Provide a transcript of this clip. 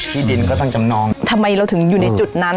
ที่ดินก็ต้องจำนองทำไมเราถึงอยู่ในจุดนั้น